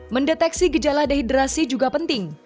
mendeteksi gejala dehidrasi juga penting